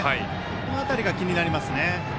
この辺りが気になりますね。